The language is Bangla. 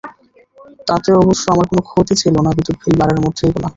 তাতে অবশ্য আমার কোনো ক্ষতি ছিল না, বিদ্যুৎ বিল ভাড়ার মধ্যেই গোনা।